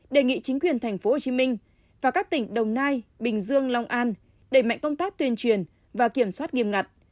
đề nghị chính quyền tp hcm và các tỉnh đồng nai bình dương long an đẩy mạnh công tác tuyên truyền và kiểm soát nghiêm ngặt